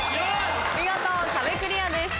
見事壁クリアです。